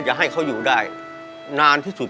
อยากกอดก็ได้แค่เข็ด